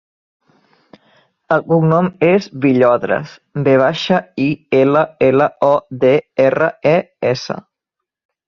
El cognom és Villodres: ve baixa, i, ela, ela, o, de, erra, e, essa.